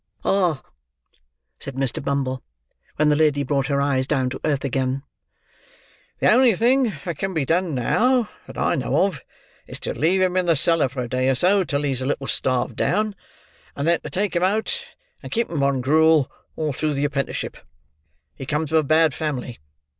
"Ah!" said Mr. Bumble, when the lady brought her eyes down to earth again; "the only thing that can be done now, that I know of, is to leave him in the cellar for a day or so, till he's a little starved down; and then to take him out, and keep him on gruel all through the apprenticeship. He comes of a bad family.